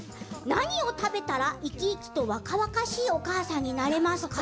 何を食べたら生き生きと若々しいお母さんになれますか？